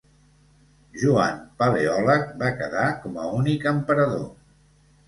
Joan Paleòleg va quedar com a únic emperador.